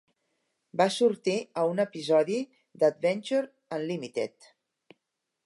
Va sortir a un episodi d'Adventure Unlimited.